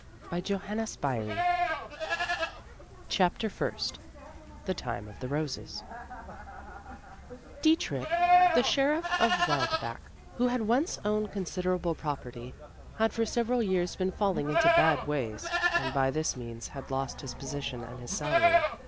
61 THE TIME OF ROSES CHAPTER FIRST THE TIME OF KOSES DIETRICH, the sheriff of Wildbach, who had once owned considerable prop erty, had for several years been falling into bad ways and by this means had lost his position and his salary.